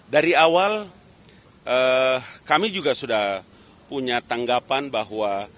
dari awal kami juga sudah punya tanggapan bahwa